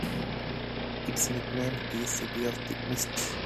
Its nickname is City of the Mists.